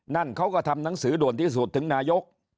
นั่นเขาก็ทำหนังสือด่วนที่สุดถึงนายก